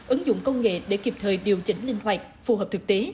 ứng dụng công nghệ để kịp thời điều chỉnh linh hoạt phù hợp thực tế